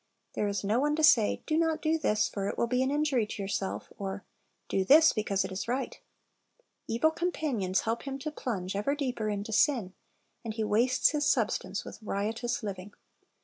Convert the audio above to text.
There is no one to say, Do not do this, for it will be an injury to your self; or, Do this, because it is right. Evil com panions help him to plunge ever deeper into sin, and he wastes his "substance with riotous living."